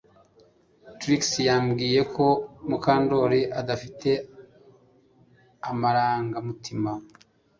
Trix yambwiye ko Mukandoli adafite amarangamutima